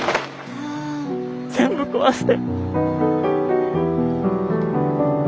全部壊して。